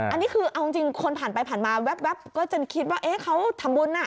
อันนี้คือเอาจริงคนผ่านไปผ่านมาแว๊บก็จะคิดว่าเอ๊ะเขาทำบุญน่ะ